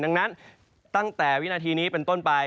ดังนั้นตั้งแต่วินาทีนี้เป็นต้นไป